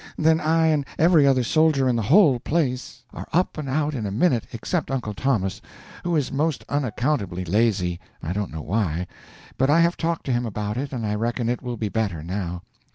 —then I and every other soldier on the whole place are up and out in a minute, except uncle Thomas, who is most unaccountably lazy, I don't know why, but I have talked to him about it, and I reckon it will be better, now.